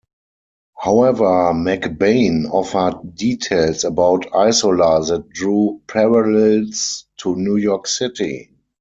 However, McBain offered details about Isola that drew parallels to New York City.